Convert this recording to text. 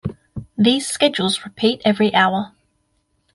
These schedules repeat every hour.